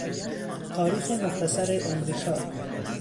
تاریخ مختصر امریکا